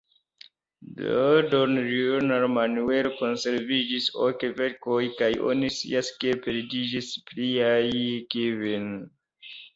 De don Juan Manuel konserviĝis ok verkoj, kaj oni scias ke perdiĝis pliaj kvin.